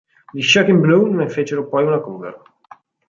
Gli Shocking Blue ne fecero poi una cover.